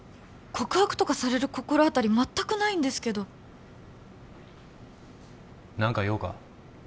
告白とかされる心当たり全くないんですけど何か用か？